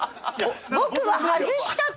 僕は外したと。